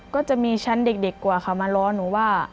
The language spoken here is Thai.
ก็จะมีชั้นเด็กก่อมาร้อนหนูว่า